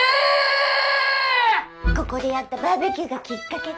ここでやったバーベキューがきっかけで。